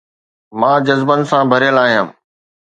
مان جذبن سان ڀريل آهيان